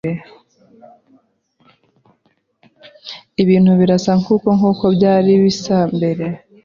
Ibintu birasa nkubu nkuko byari bimeze mbere. (kebukebu)